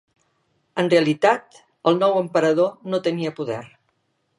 En realitat, el nou Emperador no tenia poder.